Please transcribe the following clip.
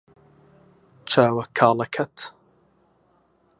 چاوە کاڵەکەت